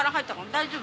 大丈夫？